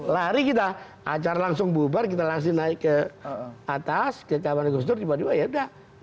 lari kita acara langsung bubar kita langsung naik ke atas ke taman gus dur tiba tiba ya udah